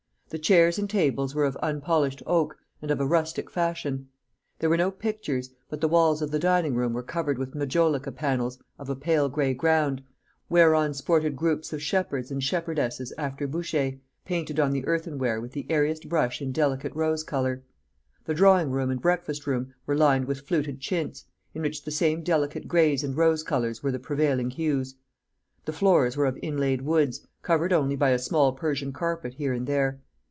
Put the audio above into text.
The chairs and tables were of unpolished oak, and of a rustic fashion. There were no pictures, but the walls of the dining room were covered with majolica panels of a pale gray ground, whereon sported groups of shepherds and shepherdesses after Boucher, painted on the earthenware with the airiest brush in delicate rose colour; the drawing room and breakfast room were lined with fluted chintz, in which the same delicate grays and rose colours were the prevailing hues. The floors were of inlaid woods, covered only by a small Persian carpet here and there.